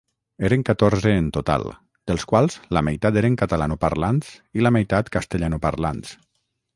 Eren catorze en total, dels quals la meitat eren catalanoparlants i la meitat castellanoparlants.